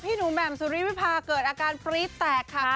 พี่หนูแมมซูริภิพาเกิดอาการปรี๊ดแตกค่ะ